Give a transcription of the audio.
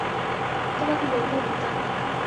তোমাকে বলব মিতা।